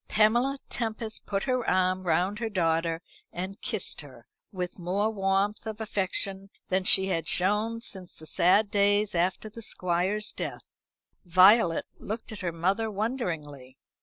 Pamela Tempest put her arm round her daughter, and kissed her, with more warmth of affection than she had shown since the sad days after the Squire's death. Violet looked at her mother wonderingly.